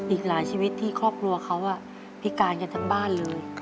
อีกหลายชีวิตที่ครอบครัวเขาพิการกันทั้งบ้านเลย